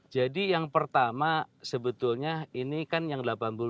jadi yang pertama sebetulnya ini kan yang delapan puluh enam